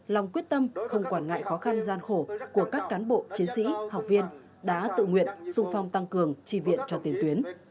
lòng quyết tâm không quản ngại khó khăn gian khổ của các cán bộ chiến sĩ học viên đã tự nguyện sung phong tăng cường tri viện cho tiền tuyến